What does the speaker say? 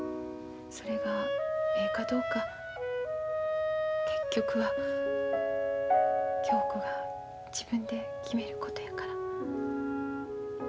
それがええかどうか結局は恭子が自分で決めることやから。